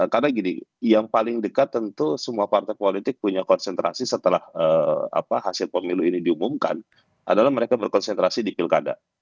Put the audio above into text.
karena gini yang paling dekat tentu semua partai politik punya konsentrasi setelah hasil pemilu ini diumumkan adalah mereka berkonsentrasi di pilkada